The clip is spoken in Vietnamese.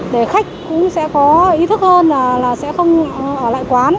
nó phải ý thức hơn là sẽ không ở lại quán